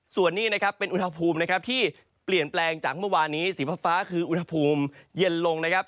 ส่วนนี้นะครับเป็นอุณหภูมินะครับที่เปลี่ยนแปลงจากเมื่อวานี้สีฟ้าคืออุณหภูมิเย็นลงนะครับ